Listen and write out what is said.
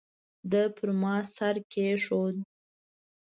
ده پر ما سر کېښود.